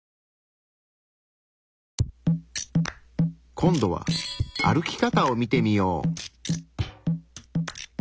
今度は歩き方を見てみよう。